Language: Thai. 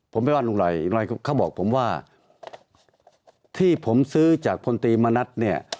ผมไม่ว่าลุงไรเขาบอกผมว่าที่ผมซื้อจากพลตรีมณัฐเนี่ย